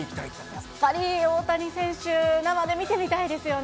やっぱり大谷選手、生で見てみたいですよね。